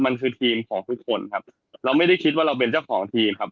มันคือทีมของทุกคนครับเราไม่ได้คิดว่าเราเป็นเจ้าของทีมครับ